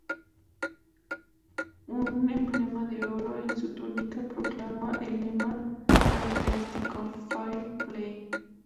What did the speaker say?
Un emblema de oro en su túnica proclama el lema característico, ""Fair Play"".